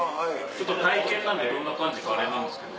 体験なんでどんな感じかあれなんですけど。